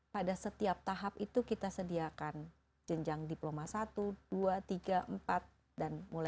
pada setiap tahap itu kita sediakan jenjang diploma satu dua tiga empat dan mulai